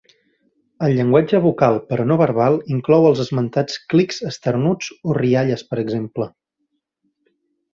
El llenguatge vocal però no verbal inclou els esmentats clics, esternuts o rialles, per exemple.